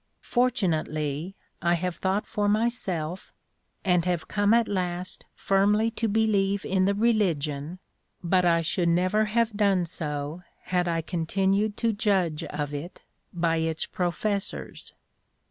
Fortunately I have thought for myself, and have come at last firmly to believe in the religion, but I should never have done so had I continued to judge of it by its professors."